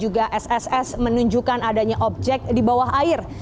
juga sss menunjukkan adanya objek di bawah air